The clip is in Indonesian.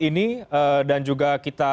ini dan juga kita